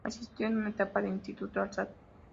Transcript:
Asistió en su etapa de instituto al St.